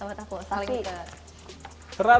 akhirnya akhirnya mah benar ya tapi ya